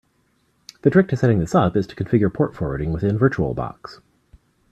The trick to setting this up is to configure port forwarding within Virtual Box.